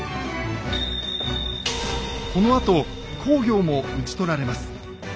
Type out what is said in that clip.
このあと公暁も討ち取られます。